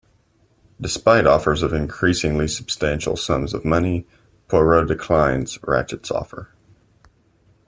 Despite offers of increasingly substantial sums of money, Poirot declines Ratchett's offer.